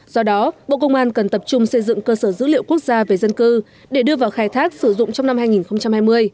do đó bộ công an cần tập trung xây dựng cơ sở dữ liệu quốc gia về dân cư để đưa vào khai thác sử dụng trong năm hai nghìn hai mươi